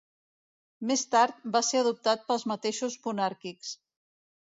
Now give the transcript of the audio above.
Més tard va ser adoptat pels mateixos monàrquics.